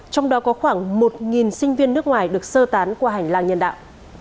trong đó có khoảng một sinh viên nước ngoài được sơ tán qua hành lang nhân đạo